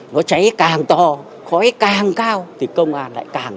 nó cháy càng to khói càng cao thì công an lại càng